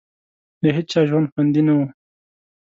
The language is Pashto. د هېچا ژوند خوندي نه وو.